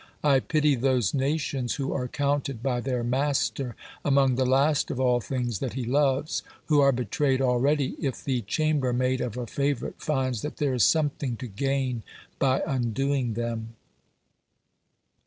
I pity those nations who are counted by their master among the last of all things that he loves, who are betrayed already if the chambermaid of a favourite finds that there is something to gain by undoing them.